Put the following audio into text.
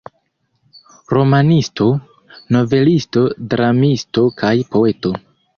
Romanisto, novelisto, dramisto kaj poeto.